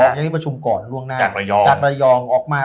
อย่างที่ประชุมก่อนล่วงหน้าจากระยองออกมา